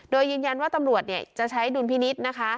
โดยยืนยันว่าตำรวจจะใช้ดุลพินิษฐ์นะคะ